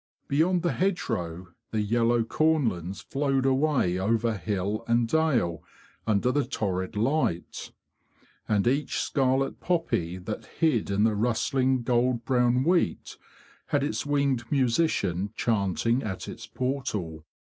Beyond the hedgerow the yellow cornlands flowed away over hill and dale under the torrid light; and each scarlet poppy that hid in the rustling gold brown wheat had its winged musician chanting at its portal.